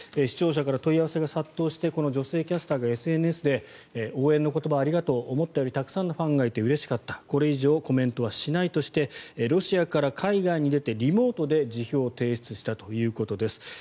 視聴者から問い合わせが殺到してこの女性キャスターがＳＮＳで応援の言葉ありがとう思ったよりたくさんのファンがいてうれしかったこれ以上コメントはしないとしてロシアから海外に出てリモートで辞表を提出したということです。